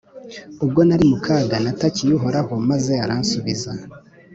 ubwo nari mu kaga natakiye uhoraho maze aransubiza.